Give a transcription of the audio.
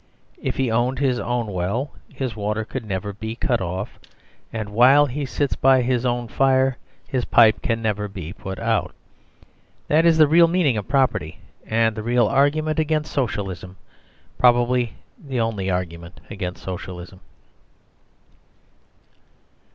If he owned his own well his water could never be cut off, and while he sits by his own fire his pipe can never be put out. That is the real meaning of property, and the real argument against Socialism; probably the only argument against Socialism.